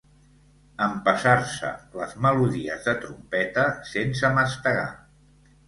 Empassar-se les melodies de trompeta sense mastegar.